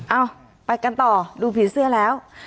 เอ้าไปกันต่อดูผีเสื้อแล้ว